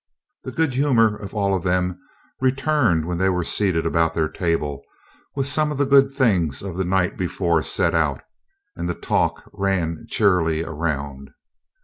The good humour of all of them returned when they were seated about their table with some of the good things of the night before set out, and the talk ran cheerily around.